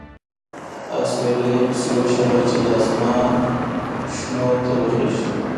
اوسیلی یې پسې وشاړه چې د اسمان شنو ته وخېژي.